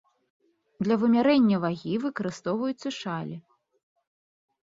Для вымярэння вагі выкарыстоўваюцца шалі.